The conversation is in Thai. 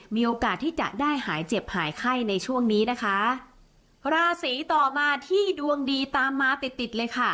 มีโอกาสที่จะได้หายเจ็บหายไข้ในช่วงนี้นะคะราศีต่อมาที่ดวงดีตามมาติดติดเลยค่ะ